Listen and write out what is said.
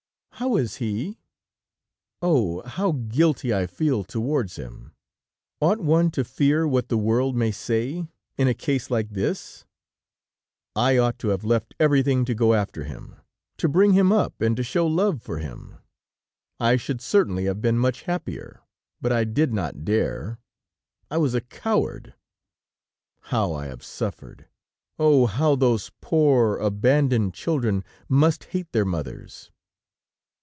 How is he? Oh! How guilty I feel towards him! Ought one to fear what the world may say, in a case like this? I ought to have left everything to go after him, to bring him up and to show love for him. I should certainly have been much happier, but I did not dare, I was a coward. How I have suffered! Oh! How those poor, abandoned children must hate their mothers!"